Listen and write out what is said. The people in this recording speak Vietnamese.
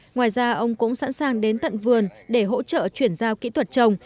ngoài ra ông cũng sẵn sàng đến tận vườn để hỗ trợ chuyển giao kỹ thuật trồng